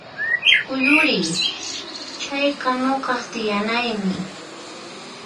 Kuyuriy! Chayqa nuqaq tiyanaymi